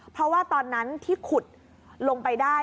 เพราะว่าตอนนั้นที่ขุดลงไปได้